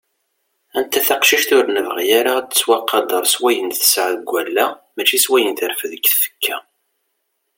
Anta taqcict ur nebɣi ara ad tettwaqader s wayen tesɛa deg wallaɣ mačči s wayen terfed deg tfekka.